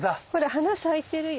花咲いてるよ。